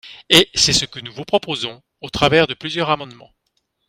Et c’est ce que nous vous proposerons au travers de plusieurs amendements.